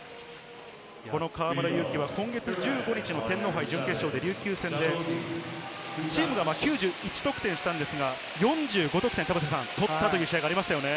河村勇輝は今月１５日、天皇杯準決勝、琉球戦でチームが９１得点しましたが、４５得点取ったという試合がありましたね。